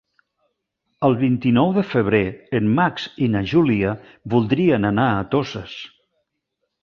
El vint-i-nou de febrer en Max i na Júlia voldrien anar a Toses.